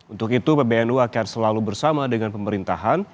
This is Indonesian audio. untuk itu pbnu akan selalu bersama dengan pemerintahan